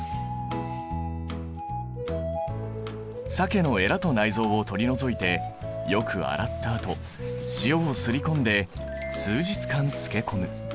鮭のえらと内臓を取り除いてよく洗ったあと塩をすり込んで数日間漬け込む。